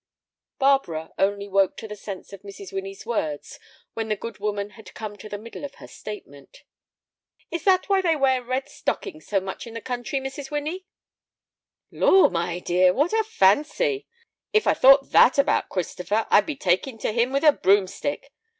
Barbara only woke to the sense of Mrs. Winnie's words when the good woman had come to the middle of her statement. "Is that why they wear red stockings so much in the country, Mrs. Winnie?" "Lor', my dear, what a fancy! If I thought that about Christopher, I'd be talking to him with a broomstick.